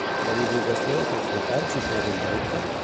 La divulgació d'aquests detalls suposa un delicte?